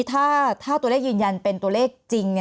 ถ้าตัวเลขยืนยันเป็นตัวเลขจริง